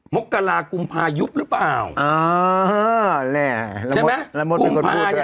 มกลากุมภาษณ์ยุบรึเปล่าอ๋อเนี่ยใช่ไหมแล้วทุกคนปุ่มภาษณ์เนี้ย